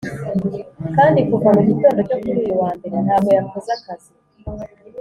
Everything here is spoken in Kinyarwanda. kandi kuva mu gitondo cyo kuri uyu wa mbere ntabwo yakoze akazi.